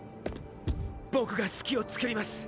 僕が隙をつくります。